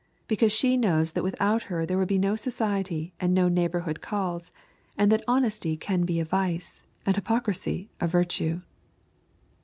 Because she knows that without her there would be no society and no neighborhood calls, and that honesty can be a vice, and hypocrisy a virtue.